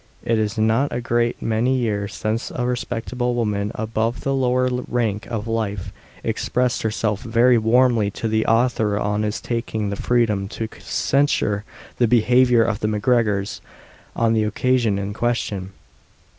It is not a great many years since a respectable woman, above the lower rank of life, expressed herself very warmly to the author on his taking the freedom to censure the behaviour of the MacGregors on the occasion in question.